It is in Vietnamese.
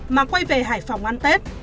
mà quay về hải phòng ăn tết